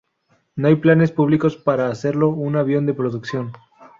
No hay planes públicos para hacerlo un avión de producción.